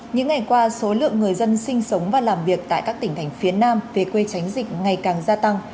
những ngày qua số lượng người dân sinh sống và làm việc tại các tỉnh thành phía nam về quê tránh dịch ngày càng gia tăng